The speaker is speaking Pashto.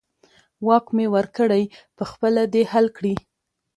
واک مې ورکړی، په خپله دې حل کړي.